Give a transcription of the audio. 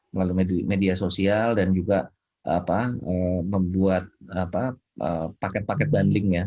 melalui media sosial dan juga membuat paket paket bundling ya